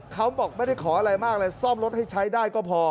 เขาบอกไม่ได้ขออะไรมากเลยซ่อมรถให้ใช้ได้ก็พอ